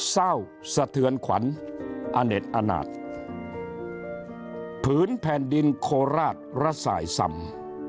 เศร้าสะเทือนขวัญอเน็ตอนาจผืนแผ่นดินโคราชระสายสำ